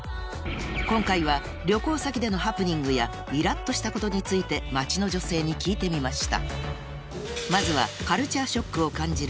今回は旅行先でのハプニングやイラっとしたことについて街の女性に聞いてみました